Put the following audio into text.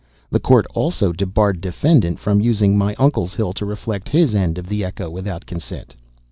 The court also debarred defendant from using my uncle's hill to reflect his end of the echo, without consent.